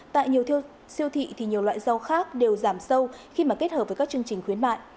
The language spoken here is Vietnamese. tại nhiều siêu thị thì nhiều loại rau khác đều giảm sâu khi mà kết hợp với các chương trình khuyến mại